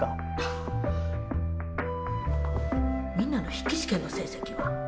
みんなの筆記試験の成績は？